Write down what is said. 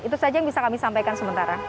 itu saja yang bisa kami sampaikan sementara